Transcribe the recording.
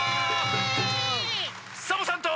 サボさんと。